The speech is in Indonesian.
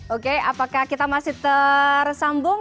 oke apakah kita masih tersambung